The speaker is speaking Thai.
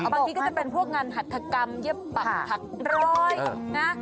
บางทีก็จะเป็นพวกงานหัฐกรรมเย็บปักถักร้อยนะ